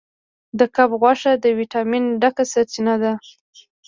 د کب غوښه د ویټامین ډکه سرچینه ده.